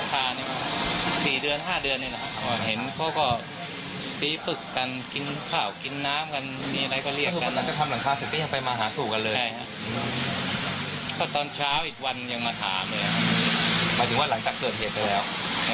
กูไม่มีอะไรดื่ม